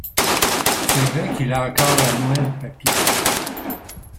C’est vrai qu’il a encore la moelle, papy.